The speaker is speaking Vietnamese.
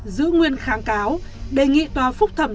giữ nguyên kháng cáo đề nghị tòa phúc thẩm